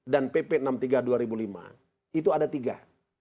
dan pp enam puluh tiga tahun dua ribu lima itu ada tiga